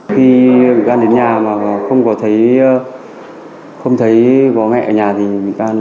khi mình đang đến nhà mà không có thấy bố mẹ ở nhà